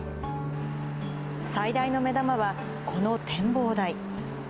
最大の目玉は、この展望台。